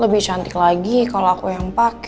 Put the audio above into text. lebih cantik lagi kalau aku yang pakai